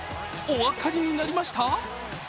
お分かりになりました？